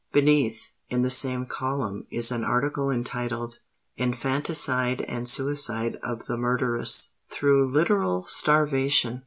Beneath, in the same column, is an article entitled 'Infanticide, and Suicide of the Murderess, through Literal Starvation.'